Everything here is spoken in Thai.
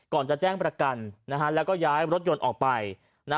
ก่อนจะแจ้งประกันนะฮะแล้วก็ย้ายรถยนต์ออกไปนะ